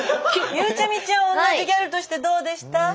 ゆうちゃみちゃんは同じギャルとしてどうでした？